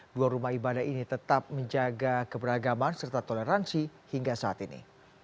dua rumah ibadah ini tetap menjaga keberagaman serta toleransi hingga saat ini